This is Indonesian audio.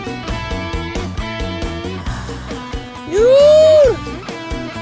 kita mesti daftar dulu pak